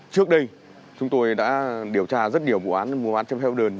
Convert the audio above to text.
trước đây chúng tôi đã điều tra rất nhiều vụ án mua bán trái phép hóa đơn